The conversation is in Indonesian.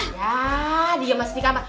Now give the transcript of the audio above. ya dia masih di kamar